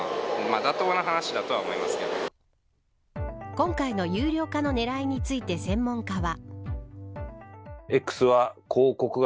今回の有料化の狙いについて専門家は。